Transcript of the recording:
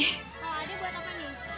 kalau ada buat apa nih